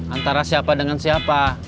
antara siapa dengan siapa